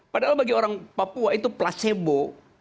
padahal bagi orang papua itu placebo